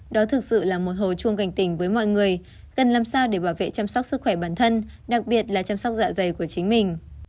đó thực sự là một hồi chuông gành tình với mọi người cần làm sao để bảo vệ chăm sóc sức khỏe bản thân đặc biệt là chăm sóc dạ dày của chính mình